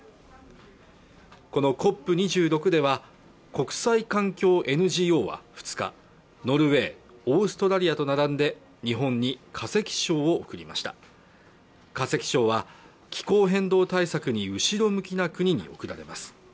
このＣＯＰ２６では国際環境ＮＧＯは２日ノルウェーオーストラリアと並んで日本に化石賞を送りました化石賞は気候変動対策に後ろ向きな国に送られます